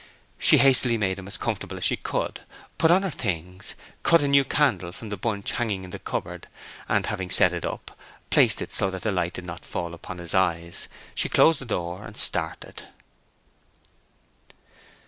She hastily made him as comfortable as she could, put on her things, cut a new candle from the bunch hanging in the cupboard, and having set it up, and placed it so that the light did not fall upon his eyes, she closed the door and started.